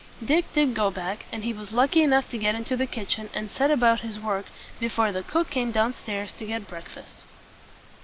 Dick did go back, and he was lucky enough to get into the kitchen, and set about his work, before the cook came down stairs to get break fast.